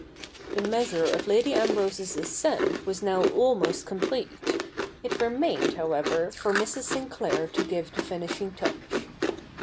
The measure of Lady ^^mbrose's assent was now almost complete. It remained, however, for Mrs. Sin clair to give the finishing touch.